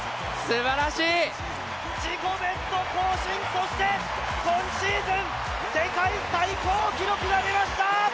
自己ベスト更新、そして、今シーズン世界最高記録が出ました！